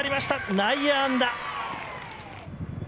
内野安打。